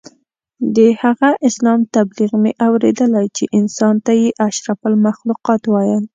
د هغه اسلام تبلیغ مې اورېدلی چې انسان ته یې اشرف المخلوقات ویل.